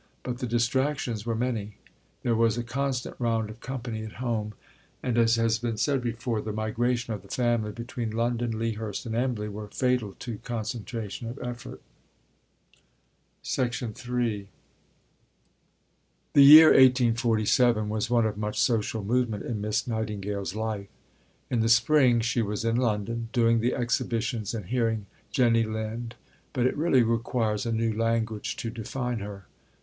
But the distractions were many. There was a constant round of company at home; and, as has been said before, the migrations of the family between London, Lea Hurst, and Embley were fatal to concentration of effort. III The year 1847 was one of much social movement in Miss Nightingale's life. In the spring she was in London "doing the exhibitions and hearing Jenny Lind; but it really requires a new language to define her."